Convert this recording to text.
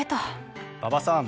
馬場さん